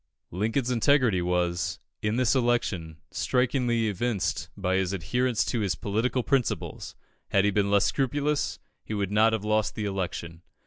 Lincoln's integrity was, in this election, strikingly evinced by his adherence to his political principles; had he been less scrupulous, he would not have lost the election.